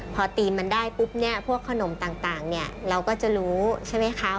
พอทีมมันได้ปุ๊บพวกขนมต่างเราก็จะรู้ใช่ไหมคะ